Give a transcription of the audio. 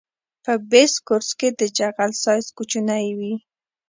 په بیس کورس کې د جغل سایز کوچنی وي